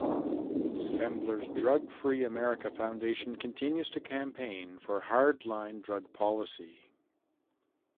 Sembler's Drug Free America Foundation continues to campaign for hard-line drug policy.